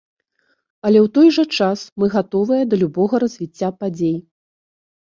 Але ў той жа час мы гатовыя да любога развіцця падзей.